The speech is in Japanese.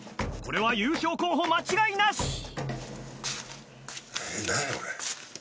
これは優勝候補間違いなし！